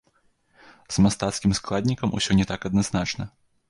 З мастацкім складнікам усё не так адназначна.